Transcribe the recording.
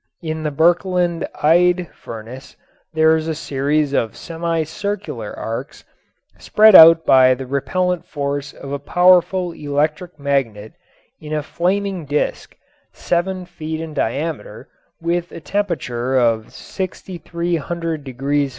In the Birkeland Eyde furnace there is a series of semi circular arcs spread out by the repellent force of a powerful electric magnet in a flaming disc seven feet in diameter with a temperature of 6300° F.